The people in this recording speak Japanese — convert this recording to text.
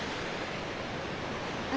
私